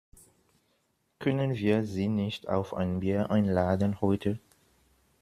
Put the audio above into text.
Können wir sie nicht auf ein Bier einladen heute?